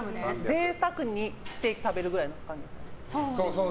贅沢にステーキ食べるくらいの感じですか。